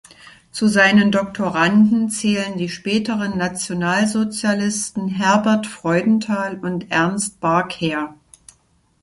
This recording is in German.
Zu seinen Doktoranden zählen die späteren Nationalsozialisten Herbert Freudenthal und Ernst Bargheer.